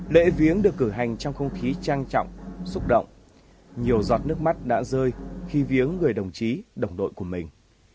lễ viếng được cử hành trong không khí trang trọng xúc động nhiều giọt nước mắt đã rơi khi viếng người đồng chí đồng đội của mình